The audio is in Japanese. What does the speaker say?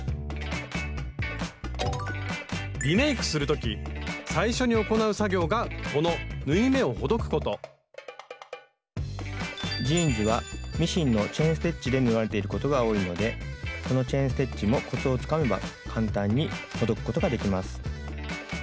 リメイクする時最初に行う作業がこの縫い目をほどくことジーンズはミシンのチェーン・ステッチで縫われていることが多いのでこのチェーン・ステッチもコツをつかめば簡単にほどくことができます。